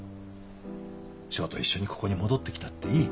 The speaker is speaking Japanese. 翔と一緒にここに戻ってきたっていい。